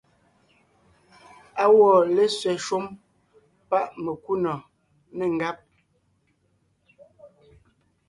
Á wɔ́ lésẅɛ shúm páʼ mekúnɔ̀ɔn, nê ngáb.